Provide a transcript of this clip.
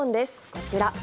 こちら。